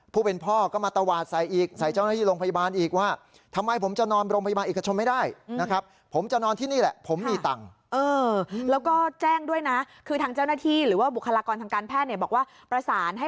ผู้เป็นพ่อก็มาตวาดใส่อีกใส่เจ้าหน้าที่โรงพยาบาลอีกว่า